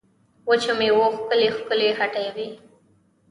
وچو مېوو ښکلې ښکلې هټۍ وې.